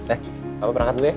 eh apa perangkat dulu ya